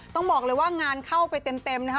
ต้องบอกเลยว่างานเข้าไปเต็มนะคะ